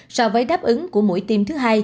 so với đáp ứng của mũi tiêm thứ hai